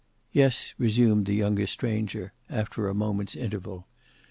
"Yes," resumed the younger stranger after a moment's interval.